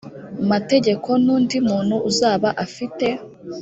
mategeko n undi muntu uzaba afite